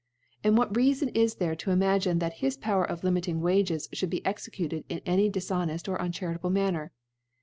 ^ And what Reafon is there to imagine,, that this Power of limiting Wages (hould be executed in any dilhoncft or uncharitable Manner